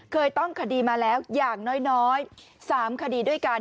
เคยต้องคดีมาแล้วอย่างน้อย๓คดีด้วยกัน